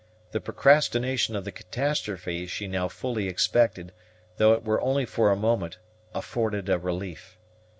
The procrastination of the catastrophe she now fully expected, though it were only for a moment, afforded a relief.